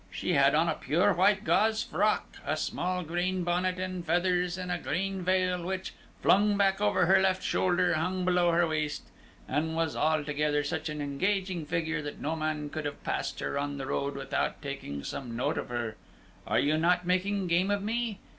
She had on a pure white gauze frock, a small green bonnet and feathers, and a green veil, which, flung back over her left shoulder, hung below her waist, and was altogether such an engaging figure that no man could have passed her on the road without taking some note of her. Are you not making game of me?